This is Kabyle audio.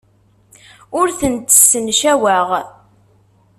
Ur tent-ssencaweɣ.